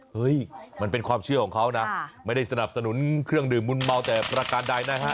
เฮ้ยมันเป็นความเชื่อของเขานะไม่ได้สนับสนุนเครื่องดื่มมืนเมาแต่ประการใดนะฮะ